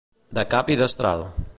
De cap i destral.